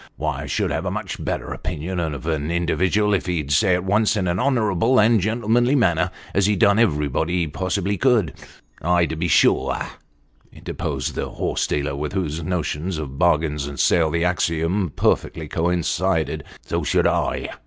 Why, I should have a much better opinion of an individual, if he'd say at once in an honourable and gentlemanly manner as he'd done everybody he possible could." " Ay, to be sure," interposed the horse dealer, with whose notions of bargain and sale the axiom perfectly coincided, " so should I."